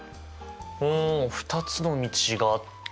うん２つの道があったら。